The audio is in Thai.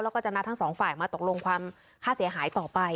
แล้วก็จะนัดทั้งสองฝ่ายมาตกลงความค่าเสียหายต่อไป